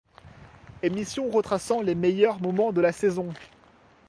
Émission retraçant les meilleurs moments de la saison.